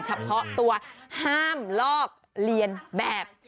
เฉพาะตัวห้ามลอกเลียนแบบ